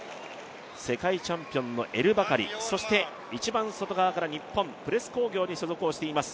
世界チャンピオンのエルバカリ、そして一番外側から日本、プレス工業に所属しています